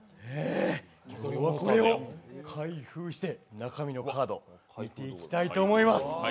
これを開封して、中身のカードを見ていきたいと思います。